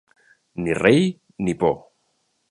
Ni rei ni por.